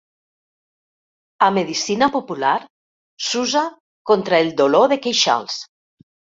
A medicina popular s'usa contra el dolor de queixals.